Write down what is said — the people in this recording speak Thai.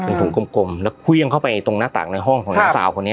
เป็นถุงกลมกลมแล้วเควี้ยงเข้าไปตรงหน้าตากในห้องของน้ำสาวคนนี้